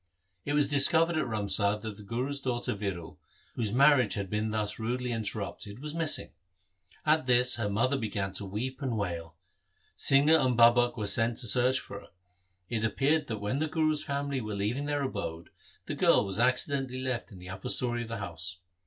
It was discovered at Ramsar that the Guru's daughter Viro, whose marriage had been thus rudely interrupted, was missing. At this her mother began to weep and wail. Singha and Babak were sent to search for her. It appears that when the Guru's family were leaving their abode, the girl was acci dentally left in the upper story of the house.